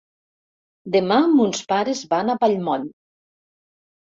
Demà mons pares van a Vallmoll.